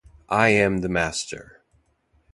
I am the Master.